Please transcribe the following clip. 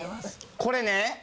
「これね」